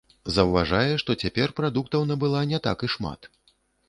Заўважае, што цяпер прадуктаў набыла не так і шмат.